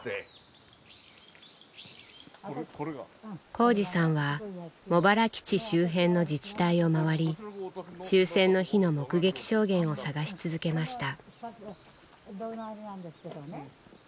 幸治さんは茂原基地周辺の自治体を回り終戦の日の目撃証言を探し続けました。